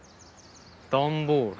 段ボール。